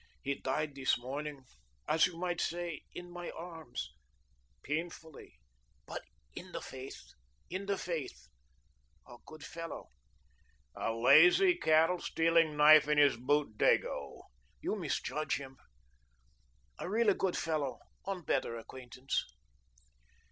"He died this morning as you might say, in my arms, painfully, but in the faith, in the faith. A good fellow." "A lazy, cattle stealing, knife in his boot Dago." "You misjudge him. A really good fellow on better acquaintance."